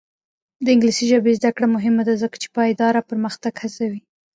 د انګلیسي ژبې زده کړه مهمه ده ځکه چې پایداره پرمختګ هڅوي.